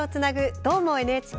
「どーも、ＮＨＫ」。